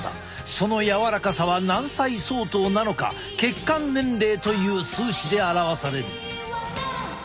その柔らかさは何歳相当なのか血管年齢という数値で表される。